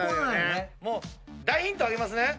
もう大ヒントあげますね。